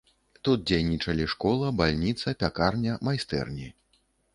Тут дзейнічалі школа, бальніца, пякарня, майстэрні.